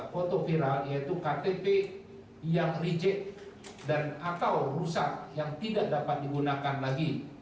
foto viral yaitu ktp yang rigid dan atau rusak yang tidak dapat digunakan lagi